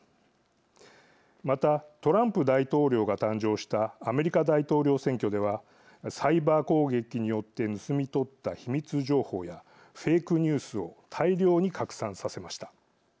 またトランプ大統領が誕生したアメリカ大統領選挙ではサイバー攻撃によって盗み取った秘密情報やフェイクニュースを大量に拡散させました。